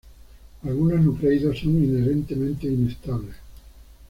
Algunos nucleidos son inherentemente inestables.